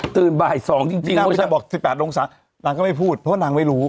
ตื่นบ่ายสองจริงจริงนี่นางไม่ได้บอกสิบแปดองศานางก็ไม่พูดเพราะว่านางไม่รู้